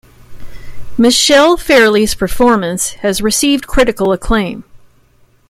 Michelle Fairley's performance has received critical acclaim.